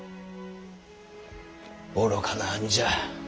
愚かな兄じゃ。